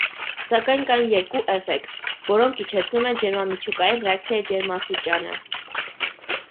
Սակայն կան երկու էֆեկտ, որոնք իջեցնում են ջերմամիջուկային ռեակցիայի ջերմաստիճանը։